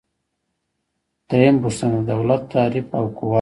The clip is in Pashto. دریمه پوښتنه د دولت تعریف او قواوې دي.